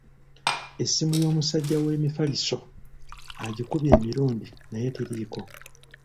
Essimu y'omusajja w'emifaliso ngikubye emirundi naye teriiko.